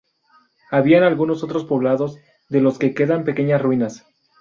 Había algunos otros lugares poblados, de los que quedan pequeñas ruinas.